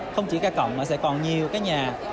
không chỉ ca cộng mà sẽ còn nhiều cái nhà